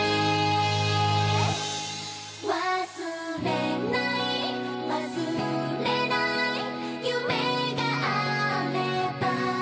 「忘れない忘れない」「夢があれば」